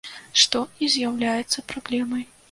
Што і з'яўляецца праблемай.